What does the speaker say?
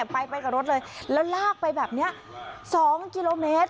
ไปกับรถเลยแล้วลากไปแบบนี้๒กิโลเมตร